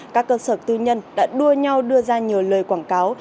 các cơ sở tư nhân đã đua nhau đưa ra nhiều lời quảng cáo